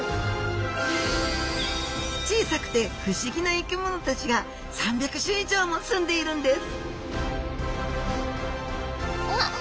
小さくて不思議な生き物たちが３００種以上も住んでいるんですわっ。